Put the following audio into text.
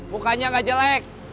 mukanya gak jelek